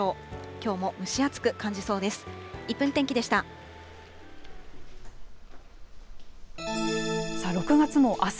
きょうも蒸し暑く感じそうです。